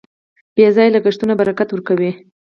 بې ځایه لګښتونه برکت ورکوي.